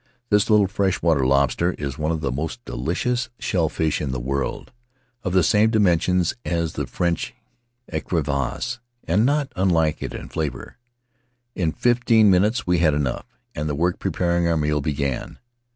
This little fresh water lobster is one of the most delicious shellfish in the world — of the same dimensions as the French ecrivisse, and not unlike it in flavor. In fifteen minutes we had enough, and the work of preparing our meal began.